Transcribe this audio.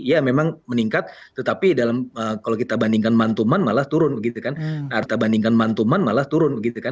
ya memang meningkat tetapi kalau kita bandingkan month to month malah turun